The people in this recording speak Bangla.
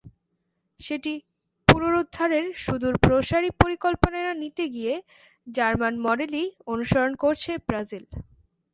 সেটি পুনরুদ্ধারের সুদূরপ্রসারী পরিকল্পনা নিতে গিয়ে জার্মান মডেলই অনুসরণ করছে ব্রাজিল।